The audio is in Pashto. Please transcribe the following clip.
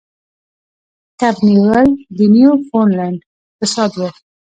کب نیول د نیوفونډلینډ اقتصاد و.